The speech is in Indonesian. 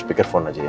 speakerphone aja ya